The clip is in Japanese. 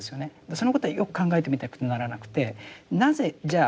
そのことはよく考えてみなければならなくてなぜじゃあ